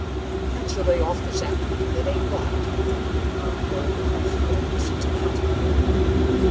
"Can't you lay off this afternoon? It ain't right" "No. He won't listen to that."